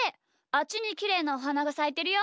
あっちにきれいなおはながさいてるよ！